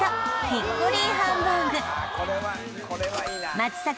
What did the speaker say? ヒッコリーハンバーグ松阪